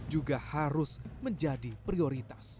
juga harus menjadi prioritas